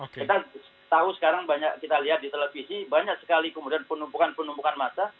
kita tahu sekarang banyak kita lihat di televisi banyak sekali kemudian penumpukan penumpukan massa